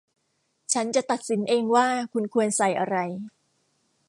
ฉันจะตัดสินเองว่าคุณควรใส่อะไร